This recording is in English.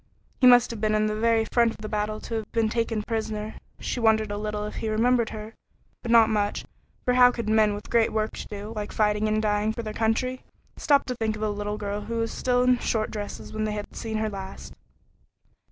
He must have been in the very front of the battle to have been taken prisoner. She wondered a little if he remembered her, but not much, for how could men with great work to do, like fighting and dying for their country, stop to think of a little girl who was still in short dresses when they had seen her last?